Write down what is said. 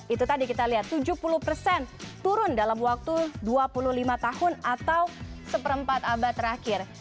itu tadi kita lihat tujuh puluh persen turun dalam waktu dua puluh lima tahun atau seperempat abad terakhir